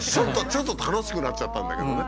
ちょっと楽しくなっちゃったんだけどね。